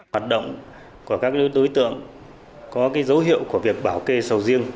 hoạt động của các đối tượng có dấu hiệu của việc bảo kê sầu riêng